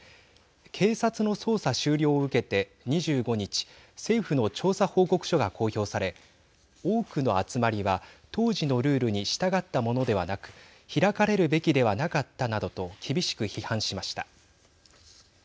警察の捜査終了を受けて２５日政府の調査報告書が公表され多くの集まりは当時のルールに従ったものではなく開かれるべきではなかったなどと厳しく批判しました。